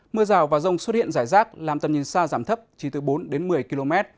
mưa rào và rông xuất hiện rải rác làm tầm nhìn xa giảm thấp chỉ từ bốn đến một mươi km